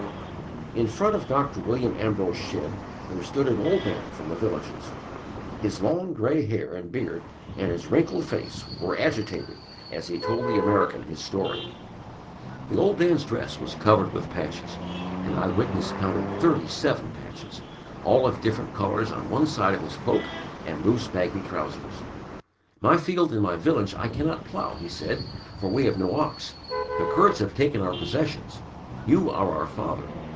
In front of Dr. William Ambrose Shedd there stood an old man from the villages. His long grey hair and beard and his wrinkled face were agitated as he told the American his story. The old man's dress was covered with patches an eyewitness counted thirty seven patches all of different colours on one side of his cloak and loose baggy trousers. "My field in my village I cannot plough," he said, "for we have no ox. The Kurds have taken our possessions, you are our father.